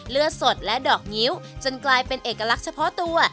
เลือดสดและดอกงิ้วจนกลายเป็นเอกลักษณ์เฉพาะตัว